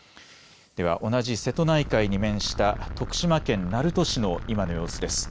では同じ瀬戸内海に面した徳島県鳴門市の今の様子です。